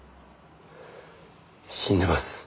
死んでます。